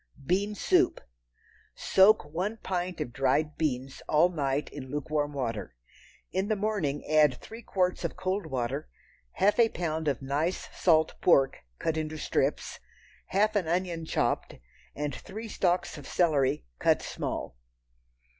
Bean Soup. Soak one pint of dried beans all night in lukewarm water. In the morning add three quarts of cold water, half a pound of nice salt pork, cut into strips, half an onion chopped, and three stalks of celery, cut small.